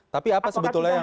tapi apa sebetulnya yang